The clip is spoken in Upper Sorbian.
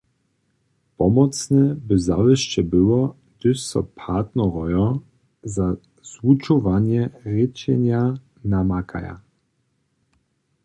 Pomocne by zawěsće było, hdyž so partnerojo za zwučowanje rěčenja namakaja.